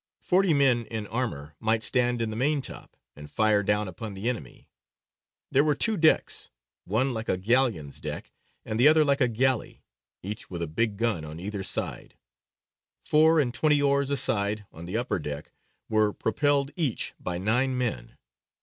Forty men in armour might stand in the maintop and fire down upon the enemy. There were two decks, one like a galleon's deck, and the other like a galley, each with a big gun on either side. Four and twenty oars a side, on the upper deck, were propelled each by nine men.